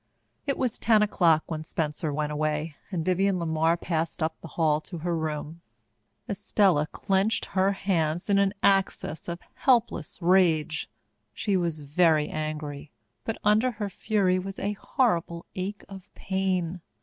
It was ten o'clock when Spencer went away and Vivienne LeMar passed up the hall to her room. Estella clenched her hands in an access of helpless rage. She was very angry, but under her fury was a horrible ache of pain.